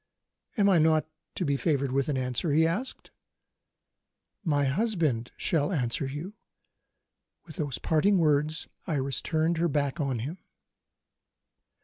"Am I not to be favoured with an answer?" he asked. "My husband shall answer you." With those parting words, Iris turned her back on him.